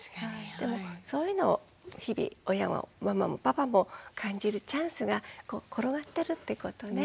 でもそういうのを日々親もママもパパも感じるチャンスが転がってるってことね。